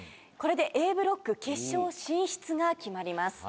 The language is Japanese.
これでＡブロック決勝進出が決まります。